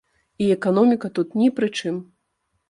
І эканоміка тут ні пры чым.